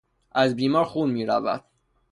از بیمار خون میرود.